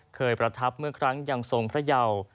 ประทับเมื่อครั้งยังทรงพระเยา